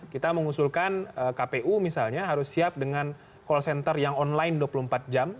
kita mengusulkan kpu misalnya harus siap dengan call center yang online dua puluh empat jam